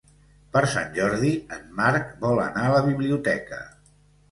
Per Sant Jordi en Marc vol anar a la biblioteca.